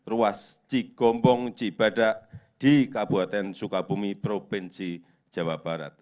ruas cigombong cibadak di kabupaten sukabumi provinsi jawa barat